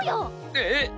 えっ？